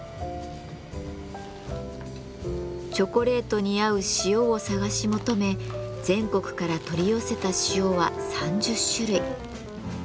チョコレートに合う塩を探し求め全国から取り寄せた塩は３０種類。